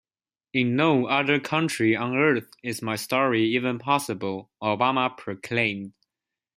"In no other country on Earth is my story even possible," Obama proclaimed.